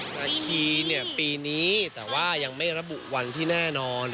นาคีเนี่ยปีนี้แต่ว่ายังไม่ระบุวันที่แน่นอน